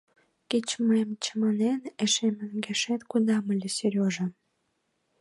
Кеч мыйым чаманен, эше мӧҥгешет кодам ыле, Серёжа.